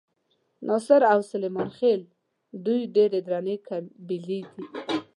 ناصر او سلیمان خېل دوې ډېرې درنې قبیلې دي.